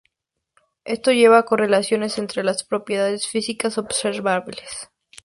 Esto lleva a correlaciones entre las propiedades físicas observables.